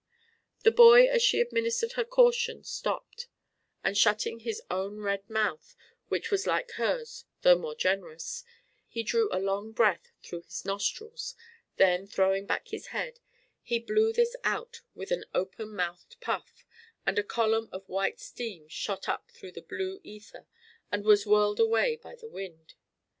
The boy as she administered her caution stopped; and shutting his own red mouth, which was like hers though more generous, he drew a long breath through his nostrils; then, throwing back his head, he blew this out with an open mouthed puff, and a column of white steam shot up into the blue ether and was whirled away by the wind.